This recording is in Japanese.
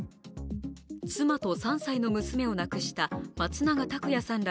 妻と３歳の娘を亡くした松永拓也さんら